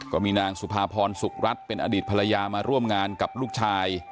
ก็มีนางสุภาพรสุขรัฐเป็นอดีตภรรยามาร่วมงานกับลูกชาย